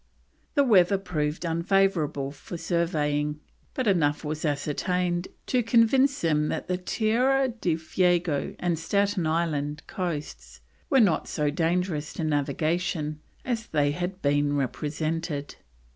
The weather proved unfavourable for surveying, but enough was ascertained to convince them that the Tierra del Fuego and Staten Island coasts were not so dangerous to navigation as they had been represented.